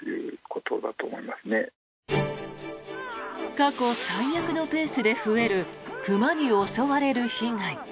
過去最悪のペースで増える熊に襲われる被害。